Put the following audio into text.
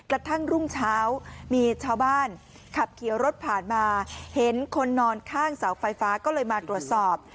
กระทั่งรุ่งเช้ามีชาวบ้านขับเขียวรถผ่านมาเห็นคนนอนข้างเสาไฟฟ้าก็เลยมาตรวจสอบ